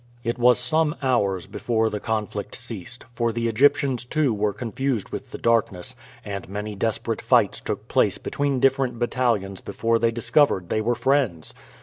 It was some hours before the conflict ceased, for the Egyptians too were confused with the darkness, and many desperate fights took place between different battalions before they discovered they were friends.